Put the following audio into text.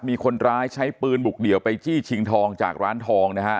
มีคนร้ายใช้ปืนบุกเดี่ยวไปจี้ชิงทองจากร้านทองนะฮะ